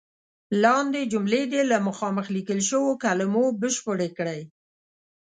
لاندې جملې دې له مخامخ لیکل شوو کلمو بشپړې کړئ.